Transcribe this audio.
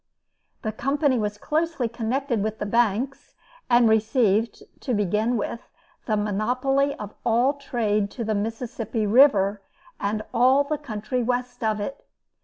The company was closely connected with the banks, and received (to begin with) the monopoly of all trade to the Mississippi River, and all the country west of it.